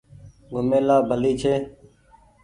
گھومي لآ ڀلي ڇي۔